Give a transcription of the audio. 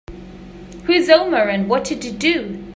Who is Omar and what did he do?